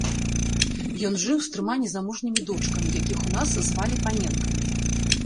Ён жыў з трыма незамужнімі дочкамі, якіх у нас звалі паненкамі.